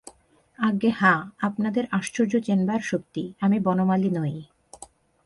আজ্ঞে হাঁ– আপনাদের আশ্চর্য চেনবার শক্তি– আমি বনমালী নই।